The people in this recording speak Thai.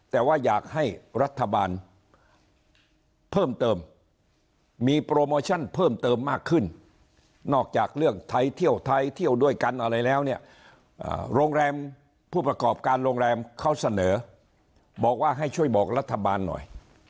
แต่ว่าอยากให้รัฐบาลเพิ่มเติมมีโปรโมชั่นเพิ่มเติมมากขึ้นนอกจากเรื่องไทยเที่ยวไทยเที่ยวด้วยกันอะไรแล้วเนี่ยโรงแรมผู้ประกอบการโรงแรมเขาเสนอบอกว่าให้ช่วยบอกรัฐบาลหน่อย